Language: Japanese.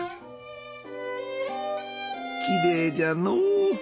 きれいじゃのう。